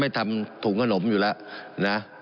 ทำถุงขนมอยู่แล้วนะ